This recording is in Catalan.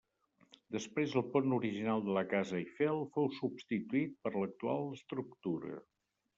Després el pont original de la casa Eiffel fou substituït per l'actual estructura.